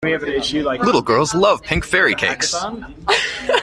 Little girls love pink fairy cakes.